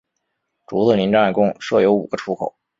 竹子林站共设有五个出口。